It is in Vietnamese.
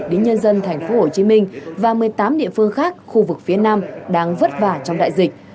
đến nhân dân tp hcm và một mươi tám địa phương khác khu vực phía nam đang vất vả trong đại dịch